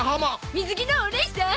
水着のおねいさん！